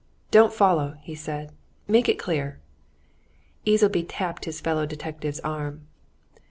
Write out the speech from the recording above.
"Don't follow!" he said. "Make it clear." Easleby tapped his fellow detective's arm.